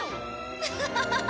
ハハハハ！